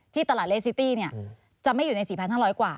ตลาดเลสซิตี้จะไม่อยู่ใน๔๕๐๐กว่า